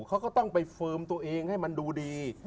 เขาก็ต้องไปเฟิร์มตัวเองให้มันดูดี